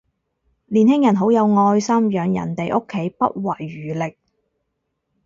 年輕人好有愛心，養人哋屋企不遺餘力